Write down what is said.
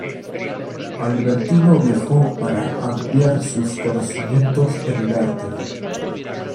Albertino viajó para ampliar sus conocimientos en el arte.